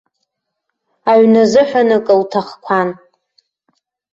Аҩны азыҳәан акы лҭахқәан.